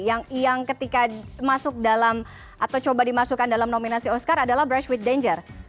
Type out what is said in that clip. yang ketika masuk dalam atau coba dimasukkan dalam nominasi oscar adalah brush with danger